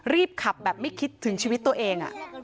รีบขับแบบไม่คิดถึงชีวิตตัวเอง